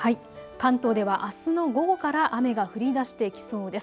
関東ではあすの午後から雨が降りだしてきそうです。